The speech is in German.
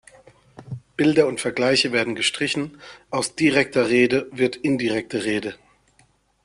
Bilder und Vergleiche werden gestrichen, aus direkter Rede wird indirekte Rede.